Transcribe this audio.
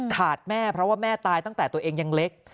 แม่เพราะว่าแม่ตายตั้งแต่ตัวเองยังเล็ก